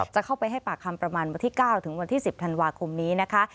จะเข้าไปให้ปากคำประมาณวันที่๙ถึงวันที่๑๐ธันวาคมนี้นะคะ